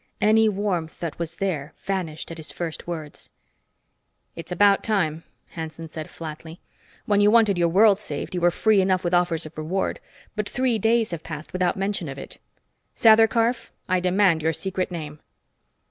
Any warmth that was there vanished at his first words. "It's about time," Hanson said flatly. "When you wanted your world saved, you were free enough with offers of reward. But three days have passed without mention of it. Sather Karf, I demand your secret name!"